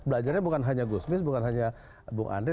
belajarnya bukan hanya gusmis bukan hanya bung andri